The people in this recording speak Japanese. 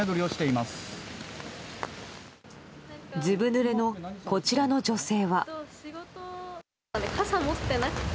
ずぶぬれのこちらの女性は。